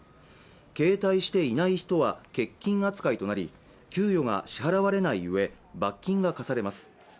携帯していない人は欠勤扱いとなり給与が支払われない上罰金が科されます